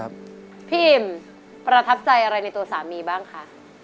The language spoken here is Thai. พี่อิ่มประทับใจอะไรในตัวสามีบ้างคะ